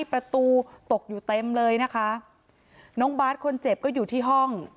ประตูตกอยู่เต็มเลยนะคะน้องบาทคนเจ็บก็อยู่ที่ห้อง